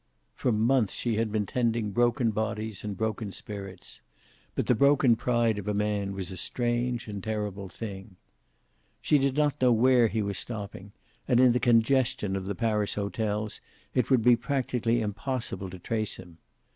For months she had been tending broken bodies and broken spirits. But the broken pride of a man was a strange and terrible thing. She did not know where he was stopping, and in the congestion of the Paris hotels it would be practically impossible to trace him.